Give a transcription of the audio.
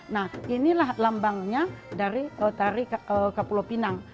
nah inilah lambangnya dari tari kapulau pinang